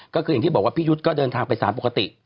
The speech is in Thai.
ก็คืออย่างที่บอกว่าพี่ยุทธ์ก็เดินทางไปสารปกติ